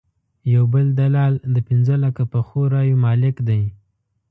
یو بل دلال د پنځه لکه پخو رایو مالک دی.